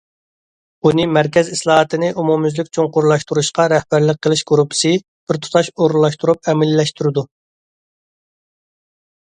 ئۇنى مەركەز ئىسلاھاتنى ئومۇميۈزلۈك چوڭقۇرلاشتۇرۇشقا رەھبەرلىك قىلىش گۇرۇپپىسى بىر تۇتاش ئورۇنلاشتۇرۇپ ئەمەلىيلەشتۈرىدۇ.